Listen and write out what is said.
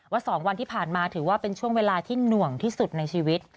๒วันที่ผ่านมาถือว่าเป็นช่วงเวลาที่หน่วงที่สุดในชีวิต